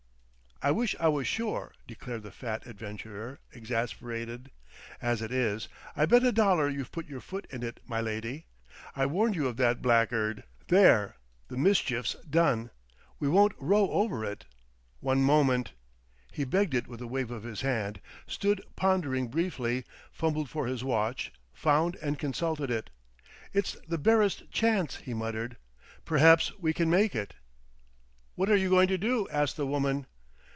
"I wish I was sure," declared the fat adventurer, exasperated. "As it is, I bet a dollar you've put your foot in it, my lady. I warned you of that blackguard.... There! The mischief's done; we won't row over it. One moment." He begged it with a wave of his hand; stood pondering briefly, fumbled for his watch, found and consulted it. "It's the barest chance," he muttered. "Perhaps we can make it." "What are you going to do?" asked the woman.